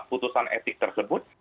putusan etik tersebut